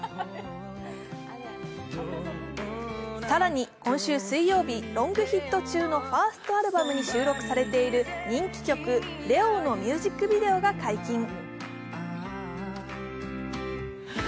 更に、今週水曜日ロングヒット中のファーストアルバムの中に収録されている人気曲「レオ」のミュージックビデオが解禁。